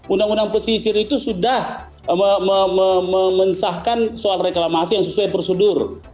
undang undang pesisir itu sudah mensahkan soal reklamasi yang sesuai prosedur